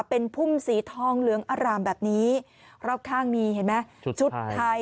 เป็นพุ่มสีทองเหลืองอร่ามแบบนี้รอบข้างมีเห็นไหมชุดไทย